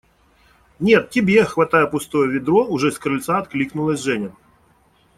– Нет, тебе! – хватая пустое ведро, уже с крыльца откликнулась Женя.